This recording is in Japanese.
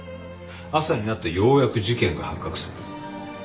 朝になってようやく事件が発覚する。